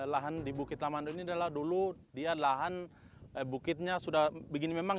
lahan di bukit lamando ini adalah dulu dia lahan bukitnya sudah begini memang